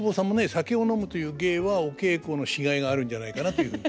酒を飲むという芸はお稽古のしがいがあるんじゃないかなというふうに。